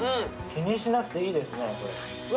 気にしなくていいですね。